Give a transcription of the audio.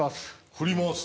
振り回す？